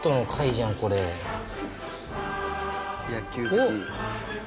おっ。